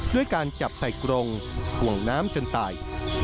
ด้วยการจับใส่กรงถ่วงน้ำจนตาย